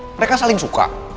mereka saling suka